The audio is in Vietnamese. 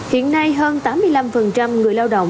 hiện nay hơn tám mươi năm người lao động